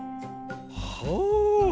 はあ！